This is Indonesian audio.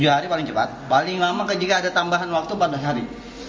tiga hari paling cepat paling lama jika ada tambahan waktu empat belas hari